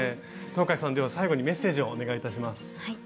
東海さんでは最後にメッセージをお願いいたします。